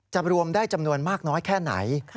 รวมได้จำนวนมากน้อยแค่ไหน